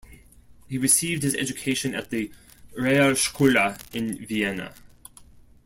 He received his education at the Realschule in Vienna.